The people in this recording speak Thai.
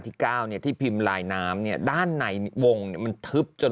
ที่เก้าเนี่ยที่พิมพ์ลายน้ำเนี่ยด้านในวงเนี่ยมันทึบจน